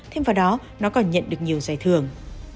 thêm vào đó nó còn nhận được nhiều giải thưởng